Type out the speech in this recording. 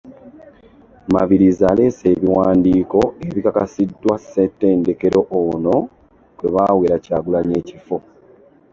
Mabirizi aleese ebiwandiiko ebikakasiddwa seettendekero ono kwe baaweera Kyagulanyi ekifo.